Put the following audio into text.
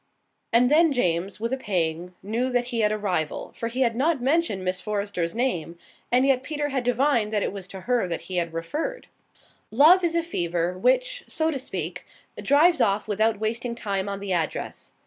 And then James, with a pang, knew that he had a rival, for he had not mentioned Miss Forrester's name, and yet Peter had divined that it was to her that he had referred. Love is a fever which, so to speak, drives off without wasting time on the address.